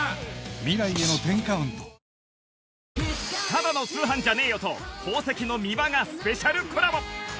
『タダの通販じゃねよ！』と宝石のミワがスペシャルコラボ